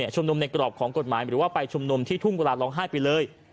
ชุมนุมในกรอบของกฎหมายหรือว่าไปชุมนุมที่ทุ่งเวลาร้องไห้ไปเลย